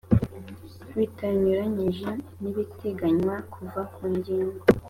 bitanyuranyije n ibiteganywa kuva ku ngingo